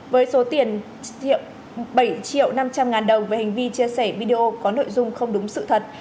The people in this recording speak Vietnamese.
với số tiền thiệu bảy triệu năm trăm linh ngàn đồng về hành vi chia sẻ video có nội dung không đúng sự thật